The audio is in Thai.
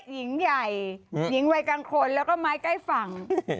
หญิงใหญ่หญิงวัยกลางคนแล้วก็ไม้ใกล้ฝั่ง